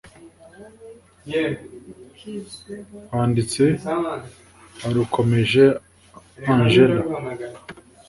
wanditse warukomeje engella!